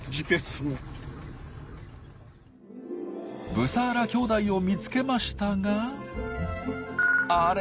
ブサーラ兄弟を見つけましたがあれ？